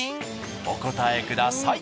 お答えください。